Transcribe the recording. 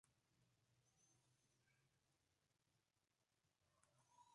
Doyle le dio estilos escoceses contemporáneos.